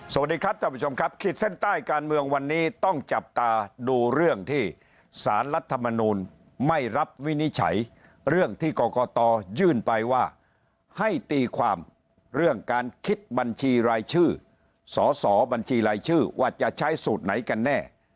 สวัสดีครับท่านผู้ชมครับขีดเส้นใต้การเมืองวันนี้ต้องจับตาดูเรื่องที่สารรัฐมนูลไม่รับวินิจฉัยเรื่องที่กรกตยื่นไปว่าให้ตีความเรื่องการคิดบัญชีรายชื่อสอสอบัญชีรายชื่อว่าจะใช้สูตรไหนกันแน่